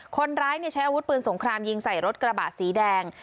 คนร้ายใช้อาวุธปืนสงครามยิงใส่รถกระบะสีแดง